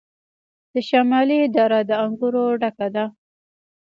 د شمالی دره د انګورو ډکه ده.